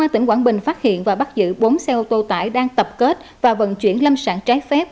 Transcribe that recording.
công an tỉnh quảng bình phát hiện và bắt giữ bốn xe ô tô tải đang tập kết và vận chuyển lâm sản trái phép